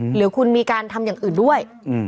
หรือคุณมีการทำอย่างอื่นด้วย